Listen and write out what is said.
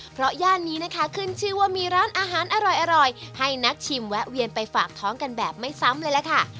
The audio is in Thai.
เพราะย่านนี้นะคะขึ้นชื่อว่ามีร้านอาหารอร่อยให้นักชิมแวะเวียนไปฝากท้องกันแบบไม่ซ้ำเลยล่ะค่ะ